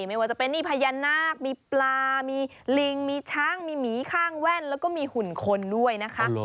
ไม่ว่าจะเป็นนี่พญานาคมีปลามีลิงมีช้างมีหมีข้างแว่นแล้วก็มีหุ่นคนด้วยนะคะ